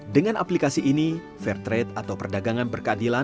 dengan aplikasi ini fair trade atau perdagangan berkandilan